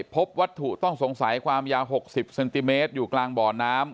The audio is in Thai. พบวัตถุต้องสงสัยความยาว๖๐เซนติเมตรอยู่กลางบ่อน้ำ